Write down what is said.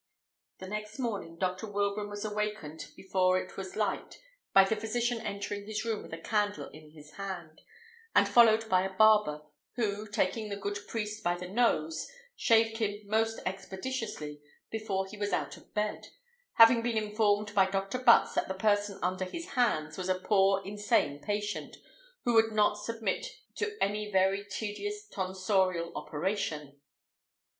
The next morning Dr. Wilbraham was awakened before it was light by the physician entering his room with a candle in his hand, and followed by a barber, who, taking the good priest by the nose, shaved him most expeditiously before he was out of bed, having been informed by Dr. Butts that the person under his hands was a poor insane patient, who would not submit to any very tedious tonsorial operation.